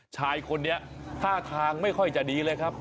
ชายคนนี้ท่าทางไม่ค่อยจะดีเลยครับ